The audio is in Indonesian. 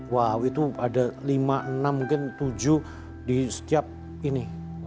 wow itu ada lima enam mungkin tujuh di setiap ini